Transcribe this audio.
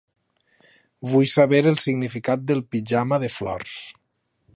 Vull saber el significat del pijama de flors.